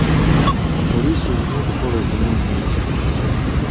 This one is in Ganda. Poliisi erina okukola okunoonyeraza.